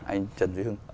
anh trần duy hưng